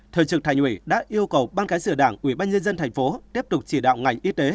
thời trực thành ủy đã yêu cầu ban cái sửa đảng quỹ ban nhân dân thành phố tiếp tục chỉ đạo ngành y tế